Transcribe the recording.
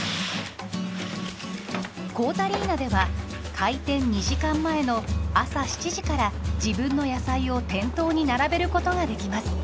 こーたりなでは開店２時間前の朝７時から自分の野菜を店頭に並べることができます。